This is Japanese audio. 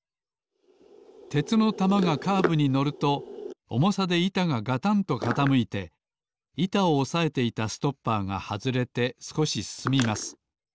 鉄の玉がカーブにのるとおもさでいたががたんとかたむいていたをおさえていたストッパーがはずれてすこしすすみます。